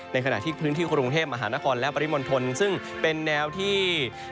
ขณะที่พื้นที่กรุงเทพมหานครและปริมณฑลซึ่งเป็นแนวที่